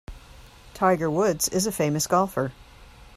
Tiger Woods is a famous golfer.